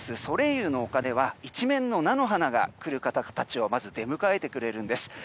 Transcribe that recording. ソレイユの丘では一面の菜の花が来る方たちをまず出迎えてくれるんです。